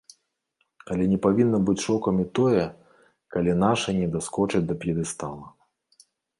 Але не павінна быць шокам і тое, калі нашы не даскочаць да п'едэстала.